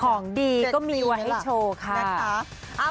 ของดีก็มีไว้ให้โชว์ค่ะนะคะ